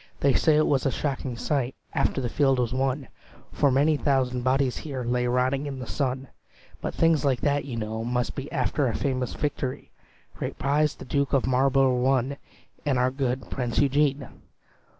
"They say it was a shocking sight After the field was won; For many thousand bodies here Lay rotting in the sun: But things like that, you know, must be After a famous victory. "Great praise the Duke of Marlbro' won, And our good Prince Eugene."